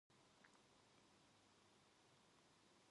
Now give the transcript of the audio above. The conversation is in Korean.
아랫목에 미리 놓아 두었던 것이므로 잔등이 따뜻하였다.